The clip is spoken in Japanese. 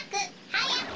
はやく！